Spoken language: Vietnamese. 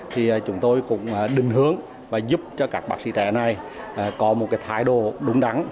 thì chúng tôi cũng đình hướng và giúp cho các bác sĩ trẻ này có một thái độ đúng đắn